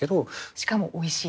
しかもおいしい。